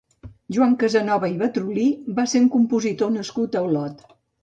Joan Casanova i Bartrolí va ser un compositor nascut a Olot.